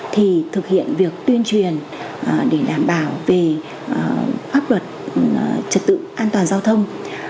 thì thực hiện việc tuyên truyền để đảm bảo về pháp luật trật tự an toàn giao thông